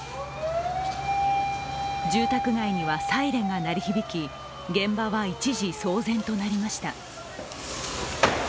住宅街にはサイレンが鳴り響き現場は一時、騒然となりました。